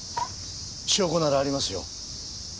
証拠ならありますよ。